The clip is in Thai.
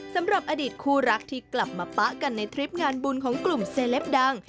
สำหรับอดีตคู่รักที่กลับมาปะกันในทริปงานบุญของกลุ่มเซลปดัง